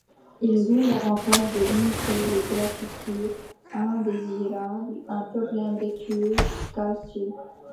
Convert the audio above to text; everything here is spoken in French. Ils ont l'avantage de limiter les graffitis indésirables, un problème récurrent du quartier.